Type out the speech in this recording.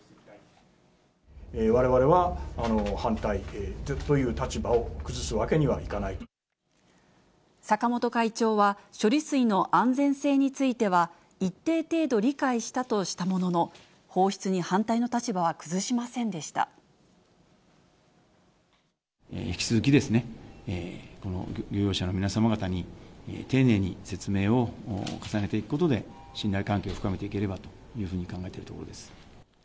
われわれは反対という立場を坂本会長は、処理水の安全性については一定程度理解したとしたものの、放出に引き続き、漁業者の皆様方に、丁寧に説明を重ねていくことで、信頼関係を深めていければというふうに考えているところです。